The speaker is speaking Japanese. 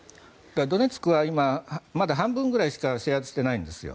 ドネツクは今まだ半分くらいしか制圧してないんですよ。